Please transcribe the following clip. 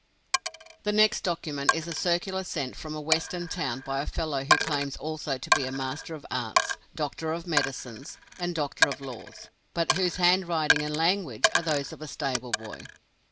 The next document is a circular sent from a Western town by a fellow who claims also to be a master of arts, doctor of medicines, and doctor of laws, but whose handwriting and language are those of a stable boy.